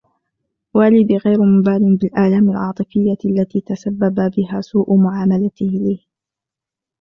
والدي غير مبالٍ بالآلام العاطفية التي تسبب بها سوء معاملته لي.